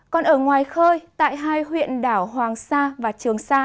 còn ở ngoài khơi tại hai huyện đảo hoàng sa và trường sa